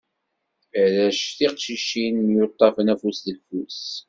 Arrac tiqcicin, myuṭṭafen afus deg ufus.